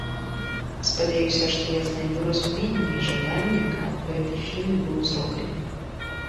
Спадзяюся, што я знайду разуменне і жаданне каб гэты фільм быў зроблены.